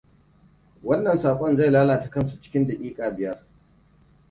Wannan sakon zai lalata kansa cikin dakika biyar.